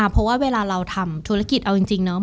เพราะว่าเวลาเราทำธุรกิจเอาจริงเนาะ